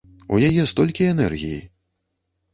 У яе столькі энергіі.